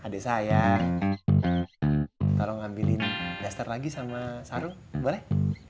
hadeh saya tolong ambilin duster lagi sama sarung boleh